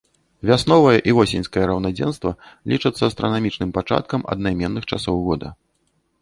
Вясновае і восеньскае раўнадзенства лічацца астранамічным пачаткам аднайменных часоў года.